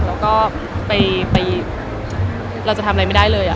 แล้วก็ไปเราจะทำอะไรไม่ได้เลย